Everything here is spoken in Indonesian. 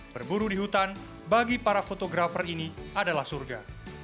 berburu di hutan bagi para fotografer ini adalah surga